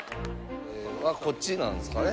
こっちなんですかね？